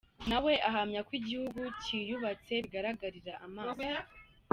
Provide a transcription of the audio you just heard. Na we ahamya ko igihugu cyiyubatse bigaragarira amaso.